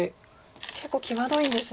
結構際どいんですね。